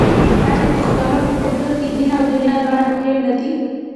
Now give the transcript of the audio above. آیا د پښتنو په کلتور کې دین او دنیا دواړه مهم نه دي؟